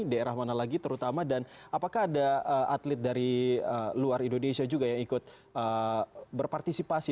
daerah mana lagi terutama dan apakah ada atlet dari luar indonesia juga yang ikut berpartisipasi